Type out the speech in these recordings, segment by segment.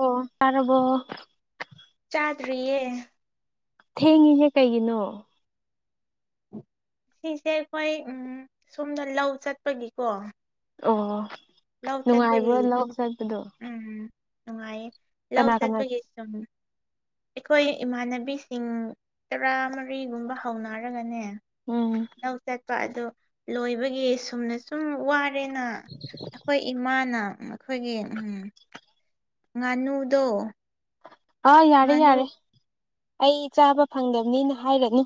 ꯑꯣ ꯇꯥꯔꯕꯣ ꯆꯥꯗ꯭ꯔꯤꯌꯦ ꯊꯦꯡꯉꯤꯍꯦ ꯀꯩꯒꯤꯅꯣ ꯁꯤꯁꯦ ꯑꯩꯈꯣꯏ ꯎꯝ ꯁꯣꯝꯅ ꯂꯧ ꯆꯠꯄꯒꯤꯀꯣ ꯑꯣ ꯂꯧ ꯆꯠꯄꯒꯤ ꯅꯨꯡꯉꯥꯏꯕ꯭ꯔꯣ ꯂꯧ ꯆꯠꯄꯗꯨ ꯎꯝ ꯅꯨꯡꯉꯥꯏꯌꯦ ꯂꯧ ꯀꯅꯥ ꯆꯠꯄꯒꯤ ꯁꯨꯝ ꯑꯩꯈꯣꯏ ꯏꯃꯥꯟꯅꯕꯤꯁꯤꯡ ꯇ꯭ꯔꯥ ꯃꯔꯤꯒꯨꯝꯕ ꯍꯧꯅꯔꯒꯅꯦ ꯎꯝ ꯅꯧ ꯆꯠꯄ ꯑꯗꯨ ꯂꯣꯏꯕꯒꯤ ꯁꯨꯝꯅ ꯁꯨꯝ ꯋꯥꯔꯦꯅ ꯑꯩꯈꯣꯏ ꯏꯃꯥꯅ ꯑꯩꯈꯣꯏꯒꯤ ꯎꯝ ꯉꯥꯅꯨꯗꯣ ꯑꯥ ꯌꯥꯔꯦ ꯉꯥꯅꯨ ꯌꯥꯔꯦ ꯑꯩ ꯆꯥꯕ ꯐꯪꯗꯕꯅꯤꯅ ꯍꯥꯏꯔꯅꯤ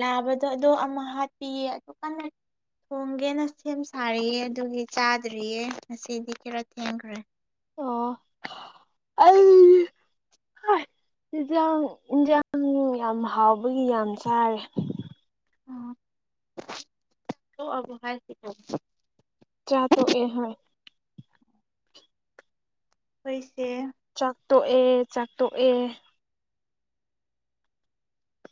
ꯂꯥꯕꯗꯣ ꯑꯗꯣ ꯑꯃ ꯍꯥꯠꯄꯤꯌꯦ ꯑꯗꯨꯀꯥꯅ ꯊꯣꯡꯒꯦꯅ ꯁꯦꯝ ꯁꯥꯔꯤꯌꯦ ꯑꯗꯨꯒꯤ ꯆꯥꯗ꯭ꯔꯤꯌꯦ ꯉꯁꯤꯗꯤ ꯈꯔ ꯊꯦꯡꯈ꯭ꯔꯦ ꯑꯣ ꯑꯩꯗꯤ ꯀꯥꯏ ꯆꯤꯟꯖꯥꯡ ꯏꯟꯖꯥꯡ ꯌꯥꯝ ꯍꯥꯎꯕꯒꯤ ꯌꯥꯝ ꯆꯥꯔꯦ ꯆꯥꯛ [unintelligible] ꯇꯣꯛꯑꯕꯣ ꯍꯥꯏꯁꯤꯕꯣ ꯆꯥ ꯇꯣꯛꯑꯦ ꯍꯥꯏ ꯄꯩꯁꯦ ꯆꯥꯛꯇꯣꯛꯑꯦ ꯆꯥꯛꯇꯣꯛꯑꯦ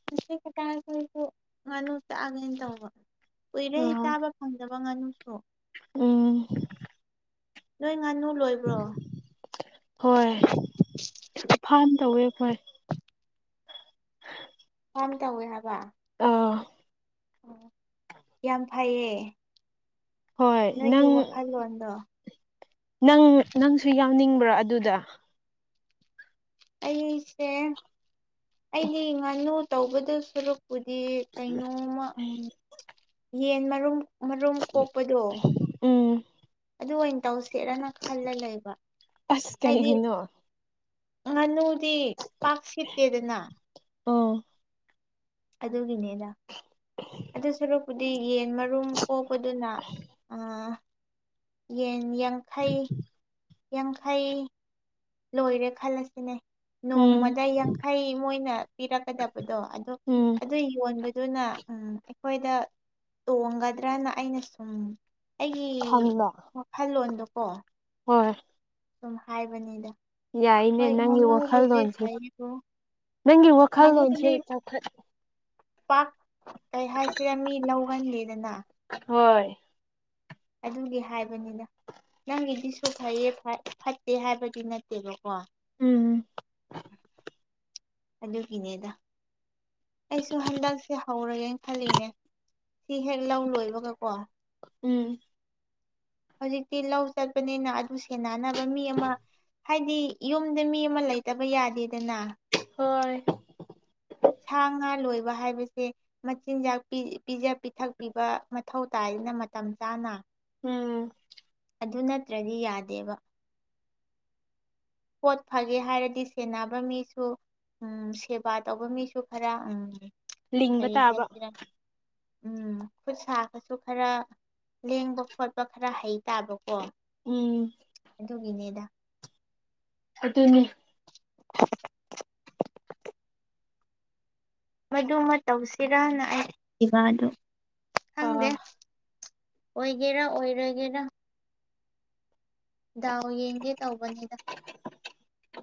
ꯉꯁꯤ [unintelligible] ꯏꯇꯥꯈꯣꯏꯁꯨ [unintelligible] ꯉꯥꯅꯨ ꯆꯥꯒꯦꯅ ꯇꯧꯕ ꯀꯨꯏꯔꯦ ꯎꯝ ꯆꯥꯕ ꯐꯪꯗꯕ ꯉꯥꯅꯨꯁꯨ ꯎꯝ ꯅꯣꯏ ꯉꯥꯅꯨ ꯂꯣꯏꯕ꯭ꯔꯣ ꯍꯣꯏ ꯐꯥꯝ ꯇꯧꯋꯦ ꯑꯩꯈꯣꯏ ꯐꯥꯝ ꯇꯧꯋꯦ ꯍꯥꯏꯕ ꯑꯧ ꯑꯣ ꯌꯥꯝ ꯐꯩꯌꯦ ꯍꯣꯏ ꯅꯣꯏꯒꯤ ꯅꯪ ꯋꯥꯈꯜꯂꯣꯟꯗꯣ ꯅꯪ ꯅꯪꯁꯨ ꯌꯥꯎꯅꯤꯡꯕ꯭ꯔꯥ ꯑꯗꯨꯗ ꯑꯩꯁꯦ ꯑꯩꯗꯤ ꯉꯥꯅꯨ ꯇꯧꯒꯗꯧ ꯁꯔꯨꯛ ꯄꯨꯗꯤ ꯀꯩꯅꯣꯝꯃ ꯎꯝ ꯌꯦꯟ ꯃꯔꯨꯝ ꯃꯔꯨꯝ ꯀꯣꯛꯄꯗꯣ ꯎꯝ ꯑꯗꯨ ꯑꯣꯏꯅ ꯇꯧꯁꯤꯔꯥꯅꯥ ꯈꯜꯂ ꯂꯩꯕ ꯑꯁ ꯍꯥꯏꯗꯤ ꯀꯩꯒꯤꯅꯣ ꯉꯥꯅꯨꯗꯤ ꯄꯥꯛ ꯁꯤꯠꯇꯦꯗꯅꯥ ꯑꯣ ꯑꯗꯨꯒꯤꯅꯤꯗꯥ ꯑꯗꯨ ꯁꯔꯨꯛ ꯄꯨꯗꯤ ꯌꯦꯟ ꯃꯔꯨꯝ ꯀꯣꯛꯄꯗꯨꯅ ꯑ ꯌꯦꯟ ꯌꯥꯡꯈꯩ ꯌꯥꯡꯈꯩ ꯂꯣꯏꯔꯦ ꯈꯜꯂꯁꯤꯅꯦ ꯎꯝ ꯅꯣꯡꯃꯗ ꯌꯥꯡꯈꯩ ꯃꯣꯏꯅ ꯄꯤꯔꯛꯀꯗꯕꯗꯣ ꯑꯗꯨ ꯎꯝ ꯑꯗꯨꯏ ꯌꯣꯟꯕ ꯗꯨꯅ ꯎꯝ ꯑꯩꯈꯣꯏꯗ ꯇꯣꯡꯒꯗ꯭ꯔꯥꯅ ꯑꯩꯅ ꯁꯨꯝ ꯑꯩꯒꯤ ꯈꯟꯕ ꯋꯥꯈꯜꯂꯣꯟꯗꯨꯀꯣ ꯍꯣꯏ ꯁꯨꯝ ꯍꯥꯏꯕꯅꯤꯗ ꯌꯥꯏꯅꯦ ꯍꯣꯏ ꯅꯪꯒꯤ ꯉꯥꯅꯨꯕꯨꯗꯤ ꯋꯥꯈꯜꯂꯣꯟꯁꯦ ꯐꯩꯕꯨ ꯅꯪꯒꯤ ꯋꯥꯈꯜꯂꯣꯟꯁꯦ ꯉꯥꯅꯨꯗꯤ ꯆꯥꯎꯈꯠ ꯄꯥꯛ ꯀꯩ ꯍꯥꯏꯁꯤꯔ ꯃꯤ ꯂꯧꯍꯟꯒꯤꯗꯅ ꯍꯣꯏ ꯑꯗꯨꯒꯤ ꯍꯥꯏꯕꯅꯤꯗ ꯅꯪꯒꯤꯗꯤꯁꯨ ꯐꯩꯌꯦ ꯐꯠ ꯐꯠꯇꯦ ꯍꯥꯏꯕꯗꯤ ꯅꯠꯇꯦꯕꯀꯣ ꯎꯝ ꯑꯗꯨꯒꯤꯅꯦꯗ ꯑꯩꯁꯨ ꯍꯟꯗꯛꯁꯦ ꯍꯧꯔꯒꯦꯅ ꯈꯜꯂꯤꯅꯦ ꯁꯤ ꯍꯦꯛ ꯂꯧ ꯂꯣꯏꯕꯒꯀꯣ ꯎꯝ ꯍꯧꯖꯤꯛꯇꯤ ꯂꯧ ꯆꯠꯄꯅꯤꯅ ꯑꯗꯨ ꯁꯦꯟꯅꯅꯕ ꯃꯤ ꯑꯃ ꯍꯥꯏꯗꯤ ꯌꯨꯝꯗ ꯃꯤ ꯑꯃ ꯂꯩꯇꯕ ꯌꯥꯗꯦꯗꯅꯥ ꯍꯣꯏ ꯁꯥ ꯉꯥ ꯂꯣꯏꯕ ꯍꯥꯏꯕꯁꯦ ꯃꯆꯤꯟꯖꯥꯛ ꯄꯤ ꯄꯤꯖ ꯄꯤꯊꯛꯄꯤꯕ ꯃꯊꯧ ꯇꯥꯏꯗꯅ ꯃꯇꯝ ꯆꯥꯅ ꯎꯝ ꯑꯗꯨ ꯅꯠꯇ꯭ꯔꯗꯤ ꯌꯥꯗꯦꯕ ꯄꯣꯠ ꯐꯒꯦ ꯍꯥꯏꯔꯗꯤ ꯁꯦꯟꯅꯕ ꯃꯤꯁꯨ ꯎꯝ ꯁꯦꯕꯥ ꯇꯧꯕ ꯃꯤꯁꯨ ꯈꯔ ꯎꯝ ꯂꯤꯡꯕ ꯀꯔꯤ ꯇꯥꯕ ꯍꯥꯏꯁꯤꯔꯥ [inaudible] ꯎꯝ ꯈꯨꯠꯁꯥꯒꯁꯨ ꯈꯔ ꯂꯦꯡꯕ ꯈꯣꯠꯄ ꯈꯔ ꯍꯩ ꯇꯥꯕꯀꯣ ꯎꯝ ꯑꯗꯨꯒꯤꯅꯦꯗ ꯑꯗꯨꯅꯤ ꯃꯗꯨꯃꯥ ꯇꯧꯁꯤꯔꯅ ꯑꯩ ꯏꯕꯥ ꯑꯗꯨ ꯈꯪꯗꯦ ꯑꯥ ꯑꯣꯏꯒꯦꯔꯥ ꯑꯣꯏꯔꯣꯢꯒꯦꯔꯥ ꯗꯥꯎ ꯌꯦꯡꯒꯦ ꯇꯧꯕꯅꯤꯗ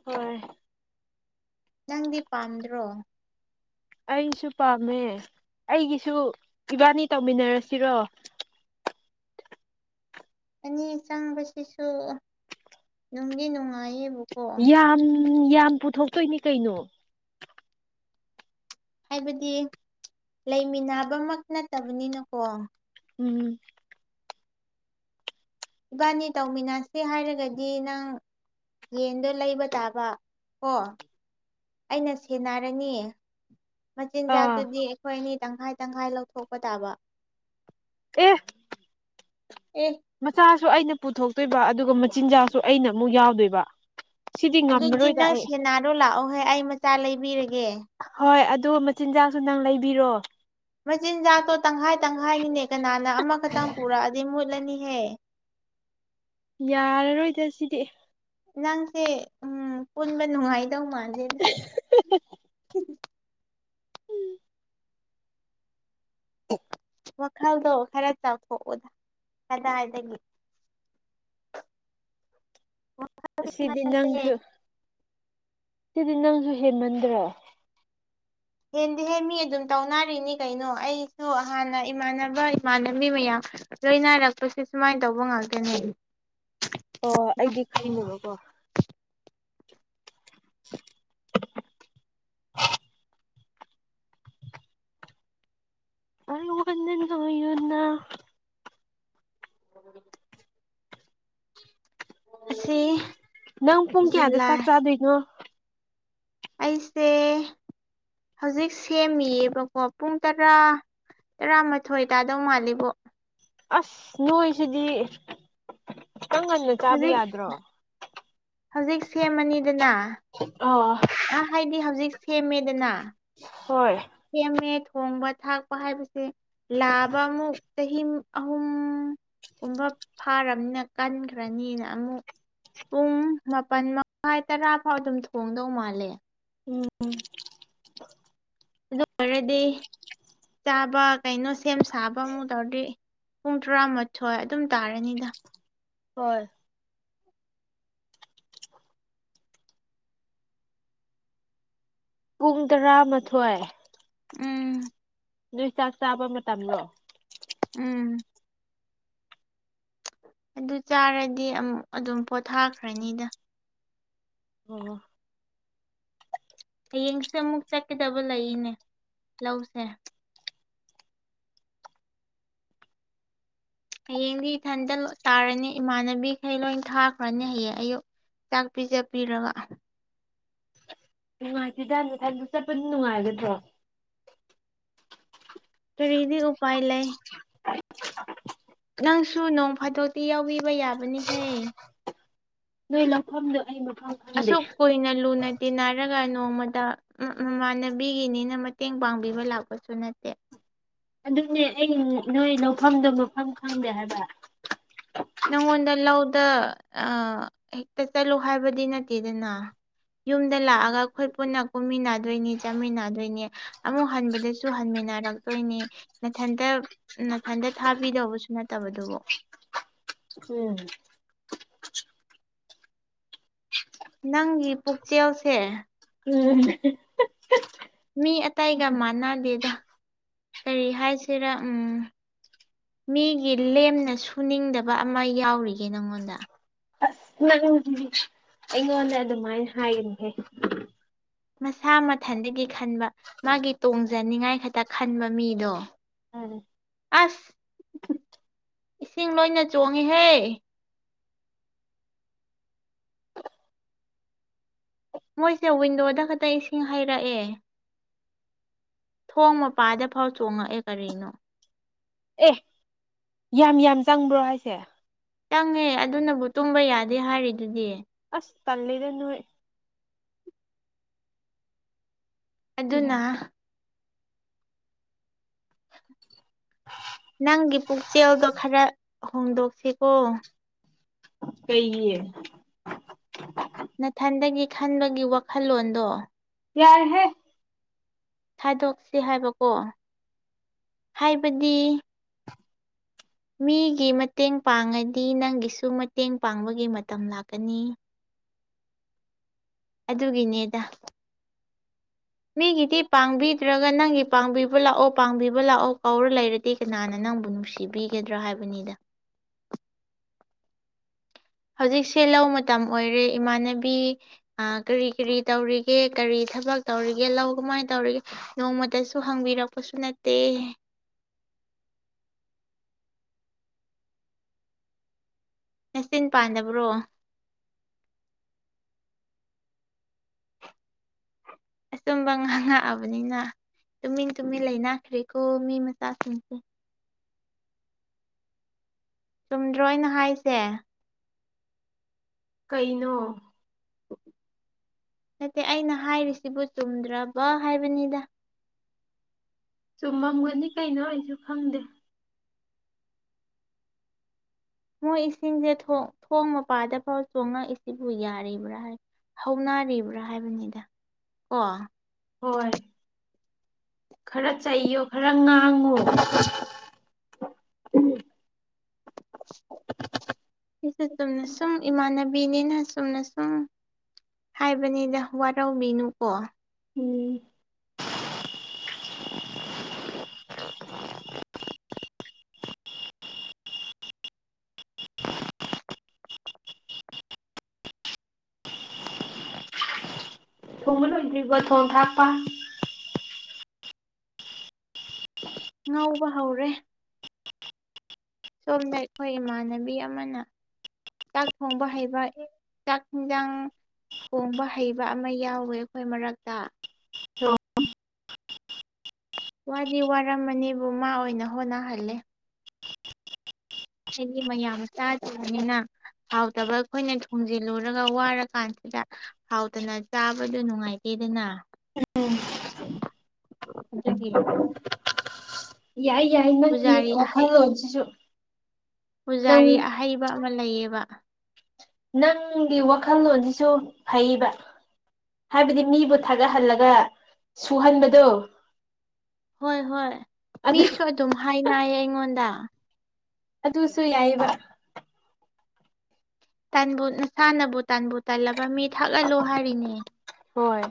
ꯍꯣꯏ ꯅꯪꯗꯤ ꯄꯥꯝꯗ꯭ꯔꯣ ꯑꯩꯁꯨ ꯄꯥꯝꯃꯦ ꯑꯩꯒꯤꯁꯨ ꯏꯕꯥꯟꯅꯤ ꯇꯧꯃꯤꯟꯅꯔꯁꯤꯔꯣ ꯑꯅꯤ ꯆꯪꯕꯁꯤꯁꯨ ꯅꯨꯡꯗꯤ ꯅꯨꯡꯉꯥꯏꯌꯦꯕꯨ ꯌꯥꯝ ꯌꯥꯝ ꯄꯨꯊꯣꯛꯇꯣꯏꯅꯤ ꯀꯩꯅꯣ ꯍꯥꯏꯕꯗꯤ ꯂꯩꯃꯤꯟꯅꯕꯃꯛ ꯅꯠꯇꯕꯅꯤꯅꯀꯣ ꯎꯝ ꯏꯕꯥꯅꯤ ꯇꯧꯃꯤꯟꯅꯁꯦ ꯍꯥꯏꯔꯒꯗꯤ ꯅꯪ ꯌꯦꯟꯗꯣ ꯂꯩꯕ ꯇꯥꯕ ꯀꯣ ꯑꯩꯅ ꯁꯦꯟꯅꯔꯅꯤ ꯑꯥ ꯃꯆꯤꯟꯖꯥꯛꯇꯨꯗꯤ ꯑꯩꯈꯣꯏ ꯑꯅꯤ ꯇꯪꯈꯥꯏ ꯇꯪꯈꯥꯏ ꯂꯧꯊꯣꯛꯄ ꯇꯥꯕ ꯑꯦ ꯑꯦ ꯃꯆꯥꯁꯨ ꯑꯩꯅ ꯄꯨꯊꯣꯛꯇꯣꯏꯕ ꯑꯗꯨꯒ ꯃꯆꯤꯟꯖꯥꯛꯁꯨ ꯑꯩꯅ ꯑꯃꯨꯛ ꯌꯥꯎꯗꯣꯏꯕ ꯁꯤꯗꯤ ꯑꯗꯨꯗꯤ ꯉꯝꯃꯔꯣꯏꯗ ꯅꯪ ꯑꯩ ꯁꯦꯅꯥꯔꯣ ꯂꯥꯛꯑꯣꯍꯦ ꯑꯩ ꯃꯆꯥ ꯂꯩꯕꯤꯔꯒꯦ ꯍꯣꯏ ꯑꯗꯣ ꯃꯆꯤꯟꯖꯥꯛꯁꯨ ꯅꯪ ꯂꯩꯕꯤꯔꯣ ꯃꯆꯤꯟꯖꯥꯛꯇꯣ ꯇꯪꯈꯥꯏ ꯇꯪꯈꯥꯏꯅꯤꯅꯦ ꯀꯅꯥꯅ ꯑꯃꯈꯛꯇꯪ ꯄꯨꯔꯛꯑꯗꯤ ꯃꯨꯠꯂꯅꯤꯍꯦ ꯌꯥꯔꯔꯣꯏꯗ ꯁꯤꯗꯤ ꯅꯪꯁꯦ ꯎꯝ ꯄꯨꯟꯕ ꯅꯨꯡꯉꯥꯏꯗꯧ ꯃꯥꯟꯗꯦꯗ [unintelligible] ꯋꯥꯈꯜꯗꯣ ꯈꯔ ꯆꯥꯎꯊꯣꯛ ꯑꯣꯗ ꯀꯗꯥꯏꯗꯒꯤ ꯁꯤꯗꯤ ꯅꯪꯁꯨ ꯁꯤꯗꯤ ꯅꯪꯁꯨ ꯍꯦꯟꯃꯟꯗ꯭ꯔꯣ ꯍꯦꯟꯗꯦꯍꯦ ꯃꯤ ꯑꯗꯨꯝ ꯇꯧꯅꯔꯤꯅꯤ ꯀꯩꯅꯣ ꯑꯩꯁꯨ ꯍꯥꯟꯅ ꯏꯃꯥꯟꯅꯕ ꯏꯃꯥꯟꯅꯕꯤ ꯃꯌꯥꯝ ꯂꯣꯏ ꯅꯥꯏꯔꯛꯄꯁꯦ ꯁꯨꯃꯥꯏꯅ ꯇꯧꯕ ꯉꯥꯛꯇꯅꯦ ꯑꯣ ꯑꯩꯗꯤ ꯈꯪꯗꯕꯀꯣ [unintelligible] [unintelligible] [inaudible] ꯑꯁꯤ ꯅꯪ ꯄꯨꯡ ꯀꯌꯥꯗ ꯆꯥꯛ ꯖꯨꯂꯥꯏ ꯆꯥꯗꯣꯏꯅꯣ ꯑꯩꯁꯦ ꯍꯧꯖꯤꯛ ꯁꯦꯝꯃꯤꯌꯦꯕꯀꯣ ꯄꯨꯡ ꯇꯥꯔꯥ ꯇꯥꯔꯥꯃꯥꯊꯣꯏ ꯇꯥꯗꯧ ꯃꯥꯜꯂꯤꯕꯣ ꯑꯁ ꯅꯣꯏꯁꯤꯗꯤ [unintelligible] ꯆꯥꯕ ꯍꯧꯖꯤꯛ ꯌꯥꯗ꯭ꯔꯣ ꯍꯧꯖꯤꯛ ꯁꯦꯝꯃꯅꯤꯗꯅ ꯑꯥ ꯑꯥ ꯍꯥꯏꯗꯤ ꯍꯧꯖꯤꯛ ꯁꯦꯝꯃꯦꯗꯅ ꯍꯣꯏ ꯁꯦꯝꯕ ꯊꯣꯡꯕ ꯊꯥꯛꯄ ꯍꯥꯏꯕꯁꯤ ꯄꯨꯡ ꯑꯅꯤ ꯑꯍꯨꯝ ꯆꯪꯏ ꯃꯄꯨꯡ ꯐꯥꯅ ꯃꯨꯟꯂꯕꯅꯤꯅ ꯀꯟꯈ꯭ꯔꯅꯤꯅ ꯑꯃꯨꯛ ꯄꯨꯡ ꯃꯥꯄꯜ ꯃꯈꯥꯏ ꯇꯔꯥ ꯐꯥꯎ ꯑꯗꯨꯝ ꯊꯣꯡꯗꯧ ꯃꯥꯜꯂꯦ ꯎꯝ ꯑꯗꯨ ꯂꯣꯏꯔꯗꯤ ꯆꯥꯕ ꯑꯃꯨꯛ ꯀꯔꯤ ꯀꯔꯤꯅꯣ ꯑꯃꯨꯛ ꯁꯦꯝ ꯁꯥꯔꯁꯤ ꯄꯨꯡ ꯇꯔꯥꯃꯥꯊꯣꯏ ꯑꯗꯨꯝ ꯇꯥꯔꯅꯤꯗ ꯍꯣꯏ ꯄꯨꯡ ꯇꯔꯥꯃꯥꯊꯣꯏ ꯎꯝ ꯀꯔꯝꯕ ꯃꯇꯝꯗ ꯅꯣꯏꯒꯤ ꯆꯥꯛ ꯆꯥꯕ ꯃꯇꯝ ꯑꯣꯏꯒꯦ ꯎꯝ ꯑꯗꯨ ꯆꯥꯔꯗꯤ ꯑꯃꯨꯛ ꯑꯗꯨꯝ ꯄꯣꯊꯥꯈ꯭ꯔꯅꯤꯗ ꯑꯣ ꯍꯌꯦꯡꯁꯦ ꯑꯃꯨꯛ ꯆꯠꯀꯗꯕ ꯂꯩꯔꯤꯅꯦ ꯂꯧꯁꯦ ꯍꯌꯦꯡꯗꯤ ꯏꯊꯟꯗ ꯇꯥꯔꯅꯤ ꯏꯃꯥꯟꯅꯕꯤꯈꯩ ꯂꯣꯏ ꯊꯥꯈ꯭ꯔꯅꯤ ꯍꯌꯦꯡ ꯑꯌꯨꯛ ꯆꯥꯛ ꯄꯤꯖ ꯄꯔꯒ ꯅꯨꯡꯉꯥꯏꯇꯦꯗ ꯅꯊꯥꯟꯇ ꯆꯠꯄꯗꯨ ꯅꯨꯡꯉꯥꯏꯒꯗꯔꯣ ꯀꯔꯤꯗꯤ ꯎꯄꯥꯏ ꯂꯩ ꯅꯪꯁꯨ ꯅꯣꯡ ꯐꯥꯗꯣꯛꯇꯤ ꯌꯥꯎꯕꯤꯕ ꯌꯥꯕꯅꯤꯍꯦ ꯅꯣꯏ ꯂꯧꯐꯝꯗꯣ ꯑꯩ ꯃꯐꯝ ꯈꯪꯏ ꯑꯁꯨꯛ ꯀꯨꯏꯅ ꯂꯨꯅ ꯇꯤꯟꯅꯔꯛꯂꯒ ꯇꯤꯟꯅꯔꯒ ꯅꯣꯡꯃꯇ ꯃꯃꯥꯟꯅꯕꯤꯒꯤꯅꯦꯅ ꯃꯇꯦꯡ ꯄꯥꯡꯕꯤꯕ ꯅꯣꯡꯃꯇ ꯂꯥꯛꯄꯁꯨ ꯅꯠꯇꯦ ꯑꯗꯨꯅꯦ ꯑꯩ ꯅꯣꯏ ꯂꯧꯐꯝꯗꯣ ꯃꯐꯝ ꯈꯪꯗꯦ ꯍꯥꯏꯕ ꯅꯪꯉꯣꯟꯗ ꯂꯧꯗ ꯍꯦꯛꯇ ꯆꯠꯂꯨ ꯍꯥꯏꯕꯗꯤ ꯅꯠꯇꯦꯗꯅ ꯌꯨꯝꯗ ꯂꯥꯛꯑꯒ ꯑꯩꯈꯣꯏ ꯄꯨꯟꯅ ꯀꯨꯝꯃꯤꯟꯅꯗꯣꯏꯅꯤ ꯆꯥꯃꯤꯟꯅꯗꯣꯏꯅꯤ ꯑꯃꯨꯛ ꯍꯟꯕꯗꯁꯨ ꯍꯟꯃꯤꯟꯅꯔꯛꯇꯣꯏꯅꯤ ꯅꯊꯟꯇ ꯅꯊꯟꯇ ꯊꯥꯕꯤꯗꯧꯕꯁꯨ ꯅꯠꯇꯕꯗꯨꯕꯨ ꯎꯝ ꯅꯪꯒꯤ ꯄꯨꯛꯆꯦꯜꯁꯦ ꯑꯉꯛꯄꯅꯤ ꯎꯝ ꯃꯤ ꯑꯇꯥꯏꯒ ꯃꯥꯟꯅꯗꯦꯗ ꯀꯔꯤ ꯍꯥꯏꯁꯤꯔꯥ ꯎꯝ ꯃꯤꯒꯤ ꯂꯦꯝꯅ ꯁꯨꯅꯤꯡꯗꯕ ꯑꯃ ꯌꯥꯎꯔꯤꯒꯦ ꯅꯪꯉꯣꯟꯗ ꯅꯪꯪꯁꯨ ꯑꯩꯉꯣꯟꯗ ꯑꯗꯨꯃꯥꯏꯅ ꯍꯥꯏꯒꯅꯤꯍꯦ ꯃꯁꯥ ꯃꯊꯟꯗꯒꯤ ꯈꯟꯕ ꯃꯥꯒꯤ ꯇꯣꯡꯖꯅꯤꯉꯥꯏ ꯈꯛꯇ ꯈꯟꯕ ꯃꯤꯗꯣ ꯎꯝ ꯑꯁ ꯏꯁꯤꯡ ꯂꯣꯏꯅ ꯆꯣꯡꯉꯤꯍꯦ ꯃꯣꯏꯁꯦ ꯋꯤꯟꯗꯣꯗ ꯈꯛꯇ ꯏꯁꯤꯡ ꯍꯩꯔꯛꯑꯦ ꯊꯣꯡ ꯃꯄꯥꯗ ꯐꯥꯎ ꯆꯣꯡꯉꯛꯑꯦ ꯀꯔꯤꯅꯣ ꯑꯦ ꯌꯥꯝ ꯌꯥꯝ ꯆꯪꯕ꯭ꯔꯣ ꯍꯥꯏꯁꯦ ꯆꯪꯉꯦ ꯑꯗꯨꯅꯕꯨ ꯇꯨꯝꯕ ꯌꯥꯗꯦ ꯍꯥꯏꯔꯤꯗꯨꯗꯤ ꯑꯁ ꯇꯂꯦꯗ ꯅꯣꯏꯦ ꯑꯗꯨꯅ ꯅꯪꯒꯤ ꯄꯨꯛꯆꯦꯜꯗꯣ ꯈꯔ ꯍꯣꯡꯗꯣꯛꯁꯤꯀꯣ ꯀꯩꯒꯤ ꯅꯊꯟꯗꯒꯤ ꯈꯟꯕꯒꯤ ꯋꯥꯈꯜꯂꯣꯟꯗꯣ ꯌꯥꯏꯍꯦ ꯊꯥꯗꯣꯛꯁꯤ ꯍꯥꯏꯕꯀꯣ ꯍꯥꯏꯕꯗꯤ ꯃꯤꯒꯤ ꯃꯇꯦꯡ ꯄꯥꯡꯉꯗꯤ ꯅꯪꯒꯤꯁꯨ ꯃꯇꯦꯡ ꯄꯥꯡꯕꯒꯤ ꯃꯇꯝ ꯂꯥꯛꯀꯅꯤ ꯑꯗꯨꯒꯤꯅꯦꯗ ꯃꯤꯒꯤꯗꯤ ꯄꯥꯡꯕꯤꯗ꯭ꯔꯒ ꯅꯪꯒꯤ ꯄꯥꯡꯕꯤꯕ ꯂꯥꯛꯑꯣ ꯄꯥꯡꯕꯤꯕ ꯂꯥꯛꯑꯣ ꯀꯧꯔ ꯂꯩꯔꯗꯤ ꯗꯤ ꯀꯅꯥꯅ ꯅꯪꯕꯨ ꯅꯨꯡꯁꯤꯕꯤꯒꯗ꯭ꯔ ꯍꯥꯏꯕꯅꯤꯗ ꯍꯧꯖꯤꯛꯁꯦ ꯂꯧ ꯃꯇꯝ ꯑꯣꯏꯔꯦ ꯏꯃꯥꯟꯅꯕꯤ ꯑ ꯀꯔꯤ ꯀꯔꯤ ꯇꯧꯔꯤꯒꯦ ꯀꯔꯤ ꯊꯕꯛ ꯇꯧꯔꯤꯒꯦ ꯂꯧ ꯀꯃꯥꯏꯅ ꯇꯧꯔꯤꯒꯦ ꯅꯣꯡꯃꯇꯁꯨ ꯍꯪꯕꯤꯔꯛꯄꯁꯨ ꯅꯠꯇꯦ ꯅꯆꯤꯟ ꯄꯥꯟꯗꯕ꯭ꯔꯣ ꯑꯆꯨꯝꯕ ꯉꯥꯡꯉꯛꯑꯕꯅꯤꯅ ꯇꯨꯃꯤꯟ ꯇꯨꯃꯤꯟ ꯂꯩꯅꯈ꯭ꯔꯦꯀꯣ ꯃꯤ ꯃꯆꯥꯁꯤꯡꯁꯦ ꯆꯨꯝꯗ꯭ꯔꯣ ꯑꯩꯅ ꯍꯥꯏꯁꯦ ꯀꯩꯅꯣ ꯅꯠꯇꯦ ꯑꯩꯅ ꯍꯥꯏꯔꯤꯁꯤꯕꯨ ꯆꯨꯝꯗ꯭ꯔꯕ ꯍꯥꯏꯕꯅꯤꯗ ꯆꯨꯝꯃꯝꯒꯅꯤ ꯀꯩꯅꯣ ꯑꯩꯁꯨ ꯈꯪꯗꯦ ꯃꯣꯏ ꯏꯁꯤꯡꯁꯦ ꯊꯣꯡ ꯃꯄꯥꯗꯐꯥꯎ ꯆꯣꯉꯛꯏꯁꯤꯕꯨ ꯌꯥꯔꯤꯕ꯭ꯔ ꯍꯥꯏ ꯍꯧꯅꯔꯤꯕ꯭ꯔ ꯍꯥꯏꯕꯅꯤꯗ ꯀꯣ ꯍꯣꯏ ꯈꯔ ꯆꯩꯌꯣ ꯈꯔ ꯉꯥꯡꯉꯣ ꯑꯩꯁꯨ ꯆꯨꯝꯅ ꯁꯨꯝ ꯏꯃꯥꯟꯅꯕꯤꯅꯤꯅ ꯆꯨꯝꯅ ꯁꯨꯝ ꯍꯥꯏꯕꯅꯤꯗ ꯋꯥꯔꯧꯕꯤꯅꯨꯀꯣ ꯎꯝ [inaudible] ꯊꯣꯡꯕ ꯂꯣꯏꯗꯔ꯭ꯤꯕꯣ ꯊꯣꯡꯕ ꯊꯥꯛꯄ ꯉꯧꯕ ꯍꯧꯔꯦ ꯁꯣꯝꯗ ꯑꯩꯈꯣꯏ ꯏꯃꯥꯟꯅꯕꯤ ꯑꯃꯅ ꯆꯥꯛ ꯊꯣꯡꯕ ꯍꯩꯕ ꯆꯥꯛ ꯏꯟꯖꯥꯡ ꯊꯣꯡꯕ ꯍꯩꯕ ꯑꯃ ꯌꯥꯎꯋꯦ ꯑꯩꯈꯣꯏ ꯃꯔꯛꯇ [unintelligible] ꯋꯥꯗꯤ ꯋꯥꯔꯝꯃꯅꯤꯕꯨ ꯃꯥ ꯑꯣꯏꯅ ꯍꯣꯠꯅꯍꯜꯂꯦ ꯁꯤꯗꯤ ꯃꯌꯥꯝ ꯆꯥꯗꯣꯏꯕꯅꯤꯅ ꯍꯥꯎꯇꯕ ꯑꯩꯈꯣꯏꯅ ꯊꯣꯡꯖꯤꯜꯂꯨꯔꯒ ꯋꯥꯔ ꯀꯥꯟꯁꯤꯗ ꯍꯥꯎꯇꯅ ꯆꯥꯕꯗꯨ ꯅꯨꯡꯉꯥꯏꯇꯦꯗꯅ ꯎꯝ ꯑꯗꯨꯒꯤ ꯌꯥꯏ ꯌꯥꯏ ꯅꯪꯒꯤ ꯄꯨꯖꯥꯔꯤ ꯑꯍꯩ ꯋꯥꯈꯜꯂꯣꯟꯁꯤꯁꯨ ꯅꯪ ꯄꯨꯖꯥꯔꯤ ꯑꯍꯩꯕ ꯑꯃ ꯂꯩꯌꯦꯕ ꯅꯪꯒꯤ ꯋꯥꯈꯜꯂꯣꯟꯁꯤꯁꯨ ꯐꯩꯌꯦꯕ ꯍꯥꯏꯕꯗꯤ ꯃꯤꯕꯨ ꯊꯥꯒꯠꯍꯜꯂꯒ ꯁꯨꯍꯟꯕꯗꯣ ꯍꯣꯏ ꯍꯣꯏ ꯑꯗꯨ ꯃꯤꯁꯨ ꯑꯗꯨꯝ ꯍꯥꯏꯌꯦ ꯑꯩꯉꯣꯟꯗ ꯑꯗꯨꯁꯨ ꯌꯥꯏꯕ ꯇꯟꯕꯨ ꯅꯁꯥꯅꯕꯨ ꯇꯟꯕꯨ ꯇꯟꯂꯕ ꯃꯤ ꯊꯥꯒꯠꯂꯨ ꯍꯥꯏꯔꯤꯅꯦ ꯍꯣꯏ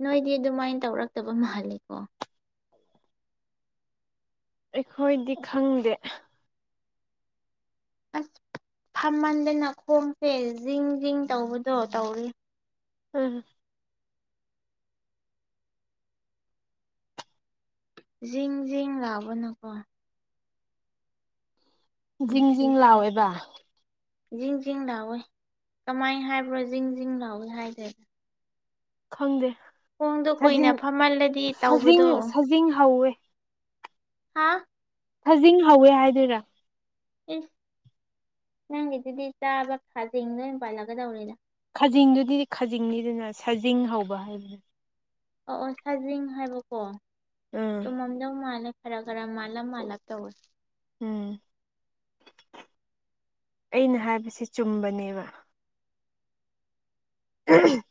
ꯅꯣꯏꯗꯤ ꯑꯗꯨꯃꯥꯏꯅ ꯇꯧꯔꯛꯇꯕ ꯃꯥꯜꯂꯦꯀꯣ ꯑꯩꯈꯣꯏꯗꯤ ꯈꯪꯗꯦ ꯑꯁ ꯐꯝꯃꯟꯗꯅ ꯈꯣꯡꯁꯦ ꯖꯤꯡ ꯖꯤꯡ ꯇꯧꯕꯗꯣ ꯇꯧꯔꯤ [unintelligible] ꯖꯤꯡ ꯖꯤꯡ ꯂꯥꯛꯕꯥꯅꯀꯣ ꯖꯤꯡ ꯖꯤꯡ ꯄꯨꯟꯁꯤꯁꯦ ꯂꯥꯎꯋꯦꯕ ꯖꯤꯡ ꯖꯤꯡ ꯂꯥꯎꯋꯦ ꯀꯃꯥꯏ ꯍꯥꯏꯕ꯭ꯔꯣ ꯖꯤꯡ ꯖꯁꯤꯡ ꯂꯥꯎꯋꯦ ꯍꯥꯏꯗꯦ ꯈꯪꯗꯦ ꯈꯣꯡꯗꯣ ꯀꯨꯏꯅ ꯁꯥꯖꯤꯡ ꯐꯝꯍꯜꯂꯗꯤ ꯁꯥꯖꯤꯡ ꯇꯧꯕꯗꯣ ꯁꯥꯖꯤꯡ ꯍꯧꯋꯦ ꯍꯥ ꯈꯥꯖꯤꯡ ꯍꯧꯋꯦ ꯍꯥꯏꯗꯣꯏꯔꯥ [unintelligible] ꯅꯪꯒꯤꯗꯨꯗꯤ ꯆꯥꯕ ꯈꯥꯖꯤꯡꯗꯨ ꯑꯣꯏ ꯄꯜꯂꯛꯒꯗꯧꯔꯦꯗꯥ ꯈꯖꯤꯡꯗꯨꯗꯤ ꯈꯥꯖꯤꯡꯅꯤꯗꯥꯅ ꯁꯖꯤꯡ ꯍꯧꯕ ꯍꯥꯏꯕꯅꯦ ꯑꯣ ꯑꯣ ꯁꯥꯖꯤꯡ ꯍꯥꯏꯕꯀꯣ ꯎꯝ ꯆꯨꯝꯃꯝꯗꯧ ꯃꯥꯜꯂꯦ ꯈꯔ ꯈꯔ ꯃꯥꯜꯂꯛ ꯃꯥꯜꯂꯛ ꯇꯧꯋꯦ ꯎꯝ ꯑꯩꯅ ꯍꯥꯏꯕꯁꯦ ꯆꯨꯝꯕꯅꯦꯕꯥ [unintelligible]